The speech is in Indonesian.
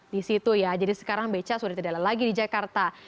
di situ ya jadi sekarang beca sudah tidak ada lagi di jakarta